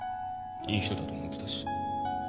いい人だと思ってたし。